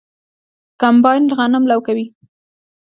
کمباین غنم لو کوي.